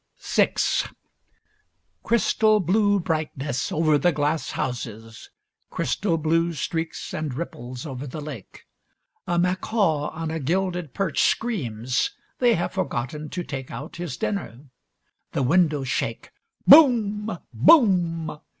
VI Crystal blue brightness over the glass houses. Crystal blue streaks and ripples over the lake. A macaw on a gilded perch screams; they have forgotten to take out his dinner. The windows shake. Boom! Boom!